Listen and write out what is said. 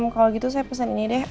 kalau gitu saya pesan ini deh